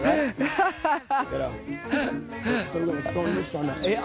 ハハハハ！